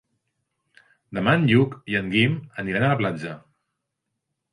Demà en Lluc i en Guim aniran a la platja.